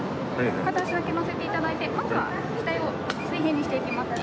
片足だけ乗せて頂いてまずは機体を水平にしていきますね。